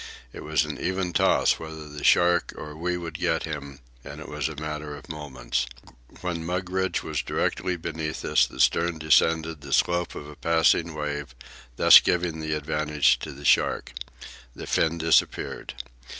It was an even toss whether the shark or we would get him, and it was a matter of moments. When Mugridge was directly beneath us, the stern descended the slope of a passing wave, thus giving the advantage to the shark. The fin disappeared.